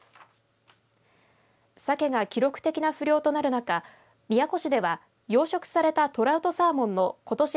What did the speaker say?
サケが記録的な不漁となる中宮古市では養殖されたトラウトサーモンのことし